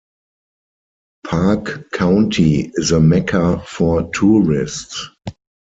Park County is a mecca for tourists.